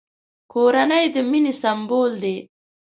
کورنۍ د مینې سمبول دی!